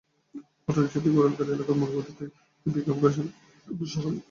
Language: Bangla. অটোরিকশাটি কোরালখালী এলাকার মোড় ঘুরতেই একটি পিকআপ গাড়ির সঙ্গে মুখোমুখি সংঘর্ষ হয়।